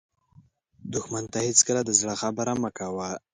دښمن ته هېڅکله د زړه خبره مه کوه